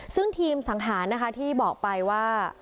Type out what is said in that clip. ซึ่งทีมสังหารนะคะที่บอกไปว่า